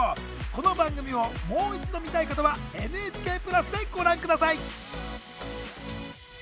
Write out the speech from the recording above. この番組をもう一度見たい方はＮＨＫプラスでご覧下さい！